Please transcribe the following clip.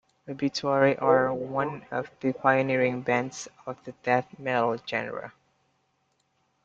Obituary are one of the pioneering bands of the death metal genre.